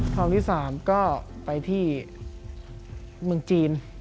ทองที่๓ก็ไปที่เมืองจีน